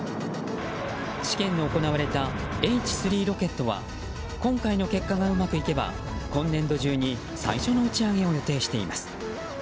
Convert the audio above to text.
試験の行われたＨ３ロケットは今回の結果がうまくいけば今年度中に最初の打ち上げを予定しています。